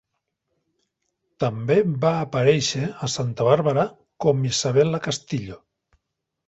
També va aparèixer a "Santa Barbara" com Isabella Castillo.